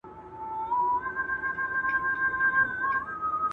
د فکر زولنې